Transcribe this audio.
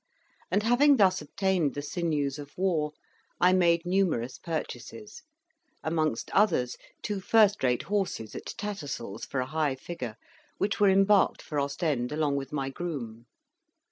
and, having thus obtained the sinews of war, I made numerous purchases, amongst others two first rate horses at Tattersall's for a high figure, which were embarked for Ostend, along with my groom.